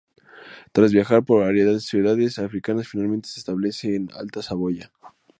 Tras viajar por varias ciudades africanas finalmente se establece en Alta Saboya.